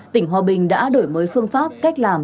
tỉnh hòa bình đã đổi mới phương pháp cách làm